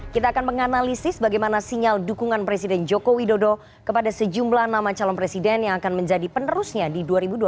kita akan menganalisis bagaimana sinyal dukungan presiden joko widodo kepada sejumlah nama calon presiden yang akan menjadi penerusnya di dua ribu dua puluh